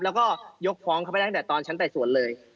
แล้วก็ยกฟ้องเขาไปได้ตั้งแต่ตอนชั้นไต่สวนเลย